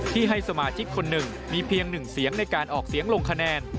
ให้สมาชิกคนหนึ่งมีเพียงหนึ่งเสียงในการออกเสียงลงคะแนน